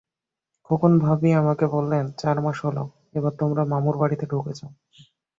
খোকন ভাবি আমাকে বললেন, চার মাস হলো, এবার তোমরা মামুর বাড়িতে ঢুকে যাও।